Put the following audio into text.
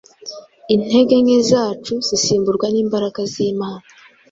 intege nke zacu zisimburwa n’imbaraga z’Imana